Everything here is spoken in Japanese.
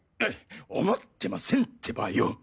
思ってませんってばよ！